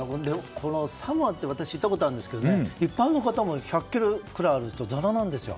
サモアって私行ったことあるんですけど一般の方も１００ｋｇくらいざらなんですよ。